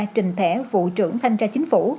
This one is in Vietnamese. trình thẻ vụ trưởng thanh tra chính phủ